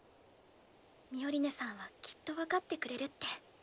ミオリネさんはきっと分かってくれるって。